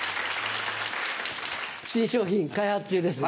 新商品開発中ですね。